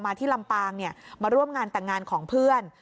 ที่ลำปางมาร่วมงานแต่งงานของเพื่อน